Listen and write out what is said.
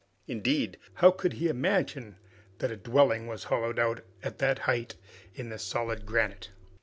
Indeed, how could he imagine that a dwelling was hollowed out, at that height, in the solid granite?